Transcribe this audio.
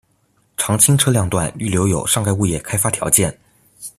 常青车辆段预留有上盖物业开发条件。